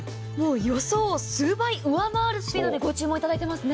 予想を数倍上回るスピードでご注文いただいてますね。